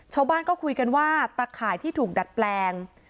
ชาวบ้านก็คุยกันว่าตะข่ายที่ถูกดัดแปลง